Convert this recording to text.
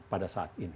pada saat ini